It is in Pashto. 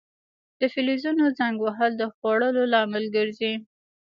د فلزونو زنګ وهل د خوړلو لامل ګرځي.